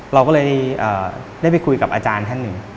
เราก็เลยได้ไปคุยกับอาจารย์ท่านหนึ่ง